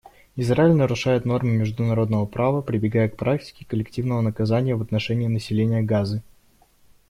Израиль нарушает нормы международного права, прибегая к практике коллективного наказания в отношении населения Газы.